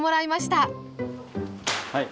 はい。